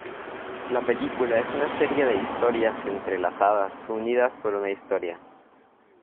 La película es una serie de historias entrelazadas unidas por una historia.